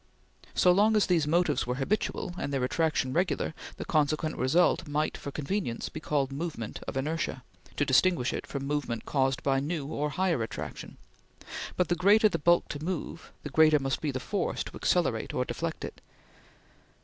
So long as these motives were habitual, and their attraction regular, the consequent result might, for convenience, be called movement of inertia, to distinguish it from movement caused by newer or higher attraction; but the greater the bulk to move, the greater must be the force to accelerate or deflect it.